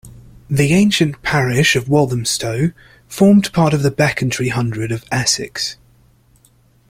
The ancient parish of Walthamstow formed part of the Becontree hundred of Essex.